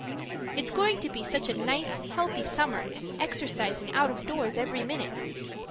It's going to be such a nice, healthy summer exercising out of doors every minute.